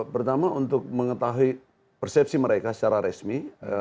pertama untuk mengetahui persepsi mereka secara resmi